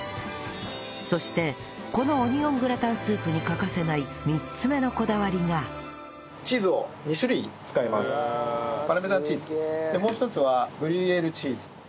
そしてこのオニオングラタンスープに欠かせないパルメザンチーズでもう一つはグリュイエールチーズ。